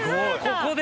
ここで？